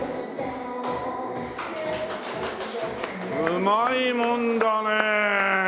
うまいもんだね。